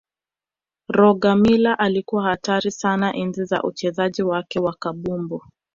rogermiller alikuwa hatari sana enzi za uchezaji wake wa kabumbu